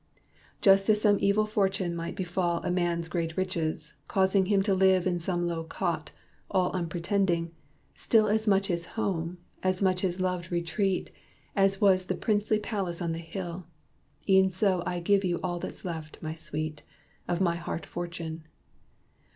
Just as some evil fortune might befall A man's great riches, causing him to live In some low cot, all unpretending, still As much his home as much his loved retreat, As was the princely palace on the hill, E'en so I give you all that's left, my sweet! Of my heart fortune.'